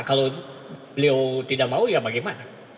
kalau beliau tidak mau ya bagaimana